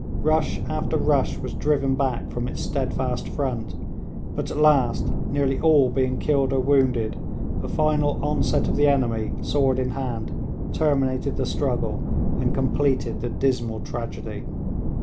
Rush after rush was driven back from its steadfast front, but at last, nearly all being killed or wounded, a final onset of the enemy, sword in hand, terminated the struggle, and completed the dismal tragedy.